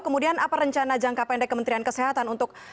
kemudian apa rencana jangka pendek kementerian kesehatan untuk